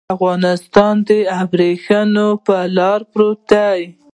افغانستان د ابريښم پر لار پروت دی.